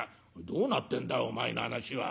「どうなってんだお前の話は。